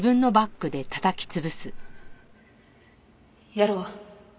やろう。